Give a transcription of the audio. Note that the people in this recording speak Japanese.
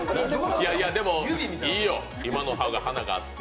でもいいよ、今のハグ華があって。